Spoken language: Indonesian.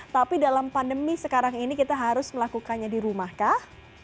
tapi dalam pandemi sekarang ini kita harus melakukannya di rumah kah